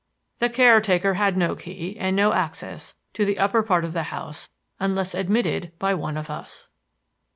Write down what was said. The caretaker had no key and no access to the upper part of the house unless admitted by one of us.